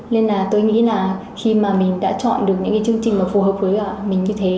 nên là tôi nghĩ là khi mà mình đã chọn được những cái chương trình mà phù hợp với mình như thế